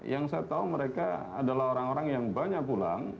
yang saya tahu mereka adalah orang orang yang banyak pulang